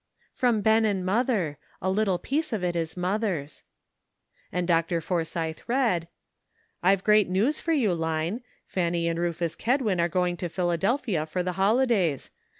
"From Ben and mother; a little piece of it is mother's." And Dr. Forsythe read : *'I've great news for you, Line; Fanny and Rufus Kedwin are going to Philadelphia for the holidays.